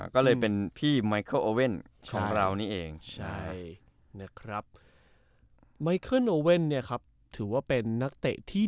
ก็เลยเป็นพี่ของเรานี่เองใช่นะครับเนี้ยครับถือว่าเป็นนักเตะที่